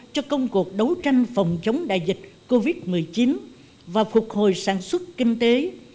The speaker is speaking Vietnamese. cho công cuộc đấu tranh phòng chống đại dịch covid một mươi chín và phục hồi sản xuất kinh tế